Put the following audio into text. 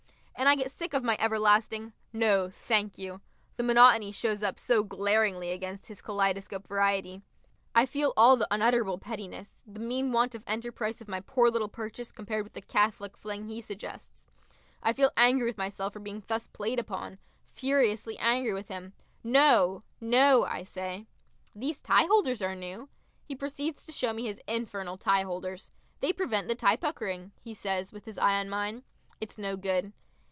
And I get sick of my everlasting "No, thank you" the monotony shows up so glaringly against his kaleidoscope variety. I feel all the unutterable pettiness, the mean want of enterprise of my poor little purchase compared with the catholic fling he suggests. I feel angry with myself for being thus played upon, furiously angry with him. "No, no!" I say. "These tie holders are new." He proceeds to show me his infernal tie holders. "They prevent the tie puckering," he says with his eye on mine. It's no good.